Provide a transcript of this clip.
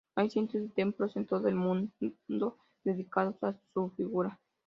Hay cientos de templos en todo el mundo dedicados a su figura.